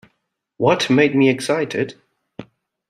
What made me excited?